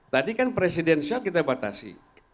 tadi kan presidensial kita batasi